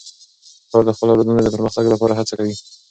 پلار د خپلو اولادونو د پرمختګ لپاره هڅه کوي.